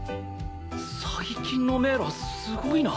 最近の迷路はすごいな。